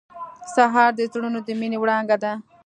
سهار د زړونو د مینې وړانګه ده.